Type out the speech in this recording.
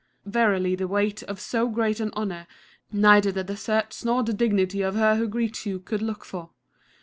Verily the weight of so great an honour neither the deserts nor the dignity of her who greets you could look for.